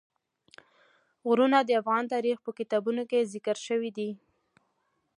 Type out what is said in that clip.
غرونه د افغان تاریخ په کتابونو کې ذکر شوی دي.